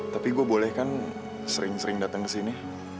tapi gue boleh kan sering sering dateng kesini